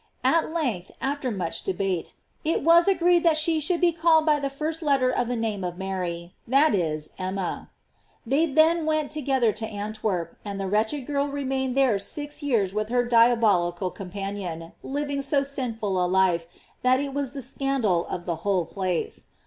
At length, after much debate, is was agreed that she should be called by the first letter of the name of Mary, that is, Erarae. They then went together to Antwerp, and the wretched girl re mained there six years with her diabolical com panion, living so sinful a life, that it was the scandal of the whole place.